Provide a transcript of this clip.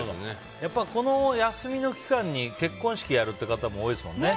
この休みの期間に結婚式やる方も多いですもんね。